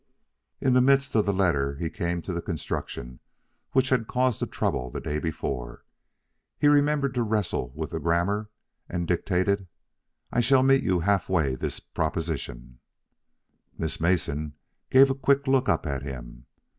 In the midst of the letter he came to the construction which had caused the trouble the day before. He remembered his wrestle with the grammar, and dictated. "I shall meet you halfway this proposition " Miss Mason gave a quick look up at him.